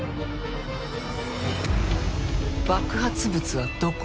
爆発物はどこ？